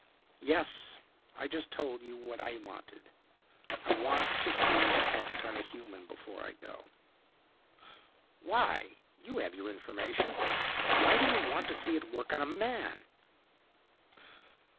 "Yes. I just told you what I wanted. I want to see the hex on a human before I go." "Why? You have your information. Why do you want to see it work on a man?"